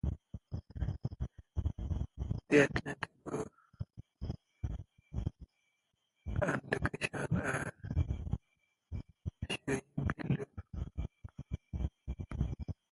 The archdeacons and locations are shown below.